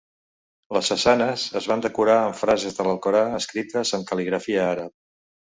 Les façanes es van decorar amb frases de l'Alcorà escrites amb cal·ligrafia àrab.